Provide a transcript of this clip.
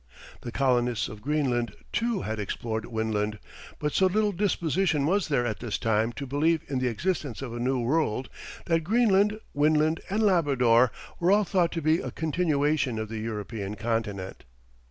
The colonists of Greenland, too had explored Winland, but so little disposition was there at this time to believe in the existence of a new world, that Greenland, Winland, and Labrador were all thought to be a continuation of the European continent.